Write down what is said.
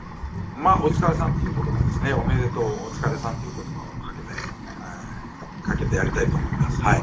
まぁ、お疲れさんということと、おめでとうという言葉をかけてやりたいと思います。